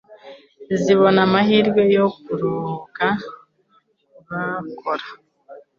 zibone amahirwe yo kuruhuka. Ku bakora